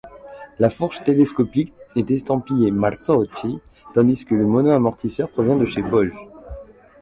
La fourche télescopique est estampillée Marzocchi, tandis que le monoamortisseur provient de chez Boge.